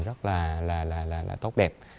rất là tốt đẹp